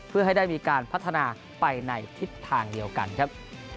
เพื่อให้ได้มีการพัฒนาไปในทิศทางเดียวกันครับ